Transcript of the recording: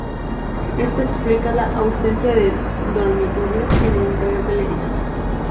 Esto explica la ausencia de dormitorios en el interior del edificio.